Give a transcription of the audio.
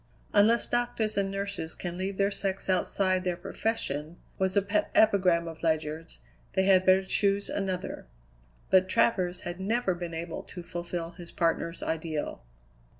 "Unless doctors and nurses can leave their sex outside their profession," was a pet epigram of Ledyard's, "they had better choose another." But Travers had never been able to fulfil his partner's ideal.